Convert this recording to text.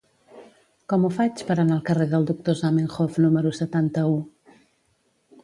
Com ho faig per anar al carrer del Doctor Zamenhof número setanta-u?